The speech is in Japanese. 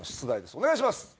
お願いします。